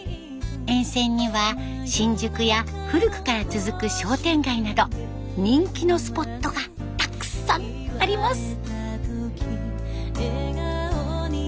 沿線には新宿や古くから続く商店街など人気のスポットがたくさんあります。